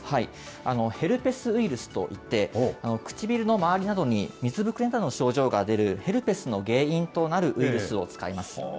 ヘルペスウイルスといって、唇の周りなどに水ぶくれなどの症状が出るヘルペスの原因となるウイルスを使います。